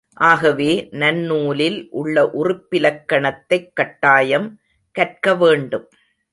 ஆகவே, நன்னூலில் உள்ள உறுப்பிலக்கணத்தைக் கட்டாயம் கற்க வேண்டும்.